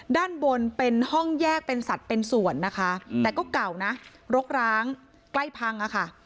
ด้านบนเป็นห้องแยกเป็นสัตว์เป็นส่วนนะคะแต่ก็เก่านะรกร้างใกล้พังอะค่ะ